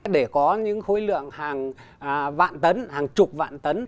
để có những khối lượng hàng vạn tấn hàng chục vạn tấn